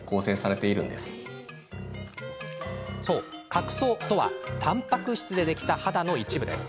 角層とはたんぱく質でできた肌の一部です。